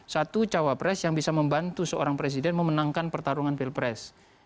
satu cawapres yang bisa membantu seorang presiden memenangkan pertarungan pilpres